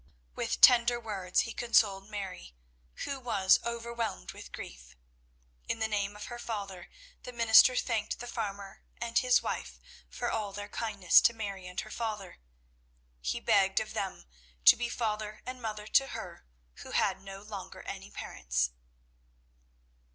With tender words he consoled Mary, who was overwhelmed with grief. In the name of her father, the minister thanked the farmer and his wife for all their kindness to Mary and her father. He begged of them to be father and mother to her who had no longer any parents.